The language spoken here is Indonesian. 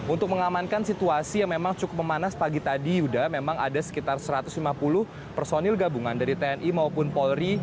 untuk mengamankan situasi yang memang cukup memanas pagi tadi yuda memang ada sekitar satu ratus lima puluh personil gabungan dari tni maupun polri